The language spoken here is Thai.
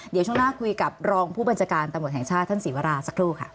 เดี๋ยวช่วงหน้าคุยกับรองผู้บัญชาการตำรวจแห่งชาติท่านศรีวราสักครู่ค่ะ